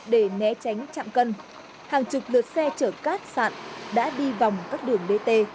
để né tránh chạm cân hàng chục lượt xe chở cát sạn đã đi vòng các đường dt